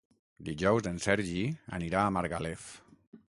Dijous en Sergi anirà a Margalef.